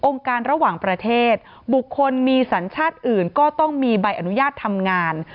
การระหว่างประเทศบุคคลมีสัญชาติอื่นก็ต้องมีใบอนุญาตทำงาน